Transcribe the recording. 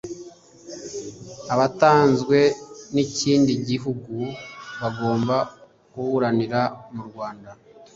abatanzwe n ikindi gihugu bagomba kuburanira mu Rwanda